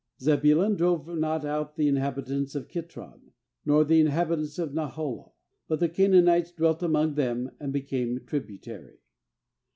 30Zebulun drove not out the in habitants of Kitron, nor the inhabit ants of Nahalol; but the Canaanites dwelt among them, and became trib utary.